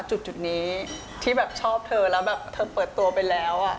จุดนี้ที่แบบชอบเธอแล้วแบบเธอเปิดตัวไปแล้ว